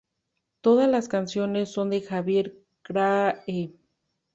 Todas las canciones son de Javier Krahe.